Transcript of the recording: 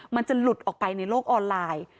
มันจะหลุดออกไปในโลกออนไลน์